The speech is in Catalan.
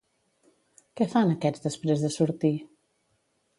Què fan aquests després de sortir?